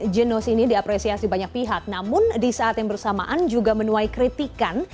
genos ini diapresiasi banyak pihak namun di saat yang bersamaan juga menuai kritikan